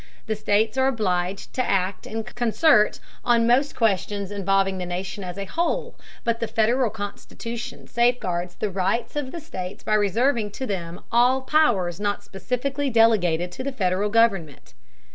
The states are obliged to act in concert on most questions involving the nation as a whole, but the Federal Constitution safeguards the rights of the states by reserving to them all powers not specifically delegated to the Federal government.